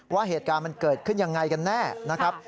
ว่าเหตุการณ์มันเกิดขึ้นยังไงกันแน่นะครับ